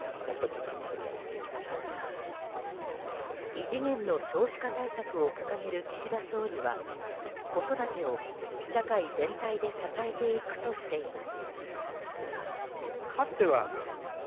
異次元の少子化対策を掲げる岸田総理は子育てを社会全体で支えていくとしています。